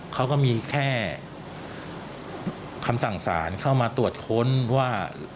เขาก็มีแค่คำสั่งสารเข้ามาตรวจค้นว่า